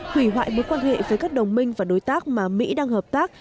hủy hoại mối quan hệ với các đồng minh và đối tác mà mỹ đang hợp tác